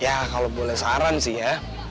ya kalau boleh saran sih ya